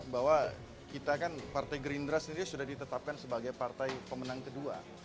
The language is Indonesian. bahwa kita kan partai gerindra sendiri sudah ditetapkan sebagai partai pemenang kedua